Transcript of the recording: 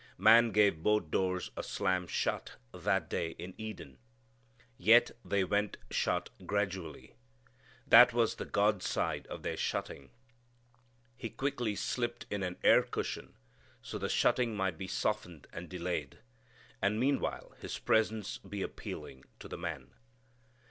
Man gave both doors a slam shut that day in Eden. Yet they went shut gradually. That was the God side of their shutting. He quickly slipped in an air cushion so the shutting might be softened and delayed, and meanwhile His presence be appealing to the man.